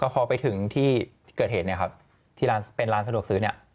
พอไปถึงที่เกิดเหตุที่เป็นร้านสะดวกซื้อ